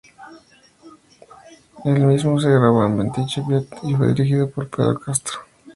El mismo se grabó en Venice Beach y fue dirigido por Pedro Castro.